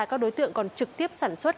các đối tượng còn trực tiếp sản xuất